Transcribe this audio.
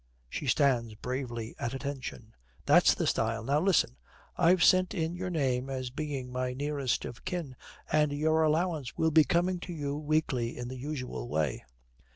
She stands bravely at attention. 'That's the style. Now listen, I've sent in your name as being my nearest of kin, and your allowance will be coming to you weekly in the usual way.'